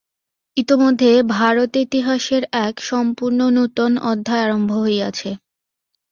ইতোমধ্যে ভারতেতিহাসের এক সম্পূর্ণ নূতন অধ্যায় আরম্ভ হইয়াছে।